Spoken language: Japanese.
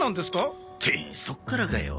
ってそっからかよ。